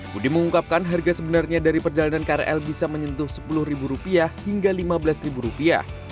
budi mengungkapkan harga sebenarnya dari perjalanan krl bisa menyentuh sepuluh rupiah hingga lima belas rupiah